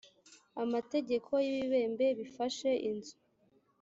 amategeko y ibibembe bifashe inzu